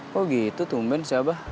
kok gitu tumben si abah